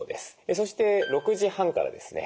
そして６時半からですね